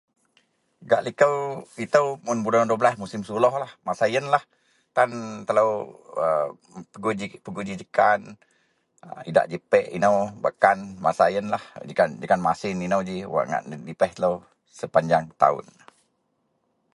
Gak likou itou mun bulan Dua belaih musim sulohlah. Musim yenlah tan telou pegui ji jekan, idak ji pek inou bak kan, masa yenlah jekan masin inou ji wak ngak dipeh telou sepanjang taun.